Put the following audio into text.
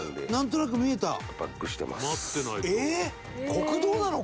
国道なの？